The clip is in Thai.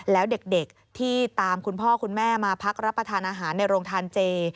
แล้วเด็กที่ตามคุณพ่อคุณแม่มาพักรับประทานอาหารในโรงทานเจ